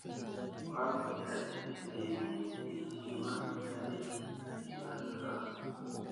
Wuake táte ɗe biɗé mintikiti mà kilva net dik na.